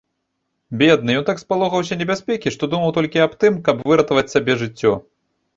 Бедны, ён так спалохаўся небяспекі, што думаў толькі аб тым, каб выратаваць сабе жыццё.